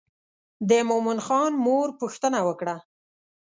د مومن خان مور پوښتنه وکړه.